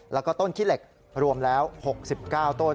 แล้วก็ต้นขี้เหล็กรวมแล้ว๖๙ต้น